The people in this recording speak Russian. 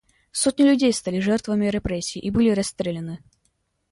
Сотни людей стали жертвами репрессий и были расстреляны.